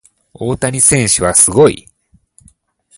大谷選手はすごい。